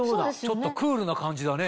ちょっとクールな感じだね。